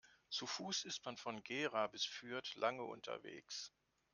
Zu Fuß ist man von Gera bis Fürth lange unterwegs